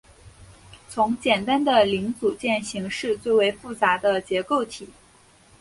从简单的零组件型式最为复杂的结构体。